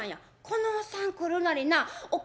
「このおっさん来るなりなお